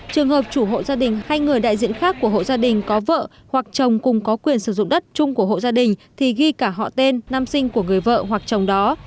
trường hợp chủ hộ gia đình hay người đại diện khác của hộ gia đình có vợ hoặc chồng cùng có quyền sử dụng đất chung của hộ gia đình thì ghi cả họ tên nam sinh của người vợ hoặc chồng đó